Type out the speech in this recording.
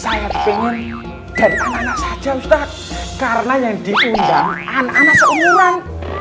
saya pengen dan anak anak saja ustadz karena yang diundang anak anak seumuran